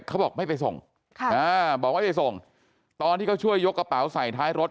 เขาบอกไม่ไปส่งบอกไม่ไปส่งตอนที่เขาช่วยยกกระเป๋าใส่ท้ายรถ